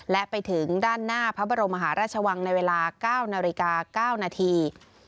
และไปถึงด้านหน้าพระบรมมหาราชวังในเวลา๙นาฬิกา๙นาที